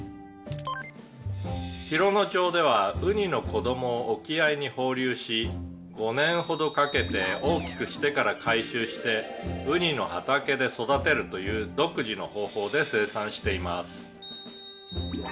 「洋野町ではウニの子どもを沖合に放流し５年ほどかけて大きくしてから回収してウニの畑で育てるという独自の方法で生産しています」